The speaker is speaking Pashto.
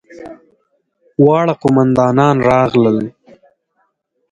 واړه قوماندان راغلل.